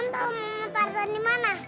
om tau mama tarzan dimana